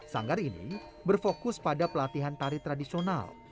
sanggar ini berfokus pada pelatihan tari tradisional